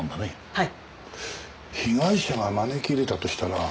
はい。